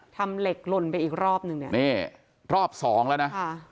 ทำเหล็กหล่นไปอีกรอบหนึ่งรอบสองแล้วนะ